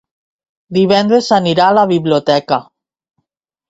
Divendres anirà a la biblioteca.